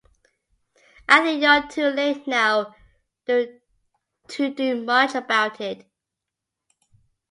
I think you're too late now to do much about it.